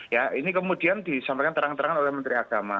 ya ini kemudian disampaikan terang terangan oleh menteri agama